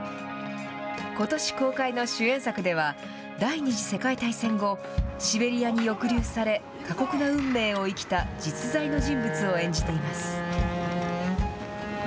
ことし公開の主演作では、第２次世界大戦後、シベリアに抑留され、過酷な運命を生きた実在の人物を演じています。